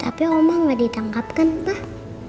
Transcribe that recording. tapi oma gak ditangkapkan pak